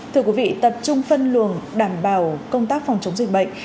thưa quý vị tập trung phân luồng đảm bảo công tác phòng chống dịch bệnh